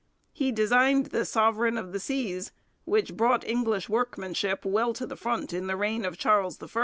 He designed the Sovereign of the Seas, which brought English workmanship well to the front in the reign of Charles I.